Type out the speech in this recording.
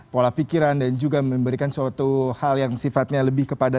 pola pikiran dan juga memberikan suatu hal yang sifatnya lebih kepada